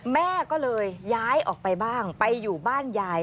แม่ก็เลยย้ายออกไปบ้างไปอยู่บ้านยาย